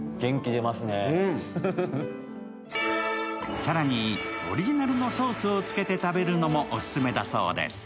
更にオリジナルのソースをつけて食べるのもオススメだそうです。